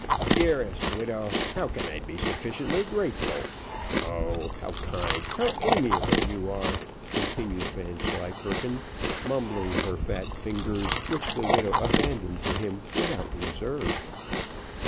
"Dearest widow, how can I be sufficiently grateful? Oh! how kind, how amiable you are!" continued Vanslyperken, mumbling her fat fingers, which the widow abandoned to him without reserve.